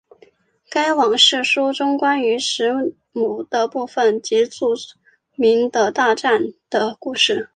该往世书中关于时母的部分即著名的大战的故事。